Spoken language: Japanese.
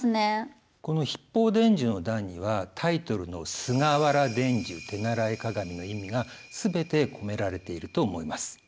この「筆法伝授の段」にはタイトルの「菅原伝授手習鑑」の意味が全て込められていると思います。